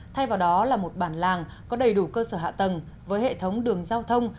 thay vào đó là một bản làng có đầy đủ cơ sở hạ tầng với hệ thống đường giao thông